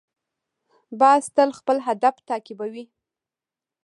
باز تل خپل هدف تعقیبوي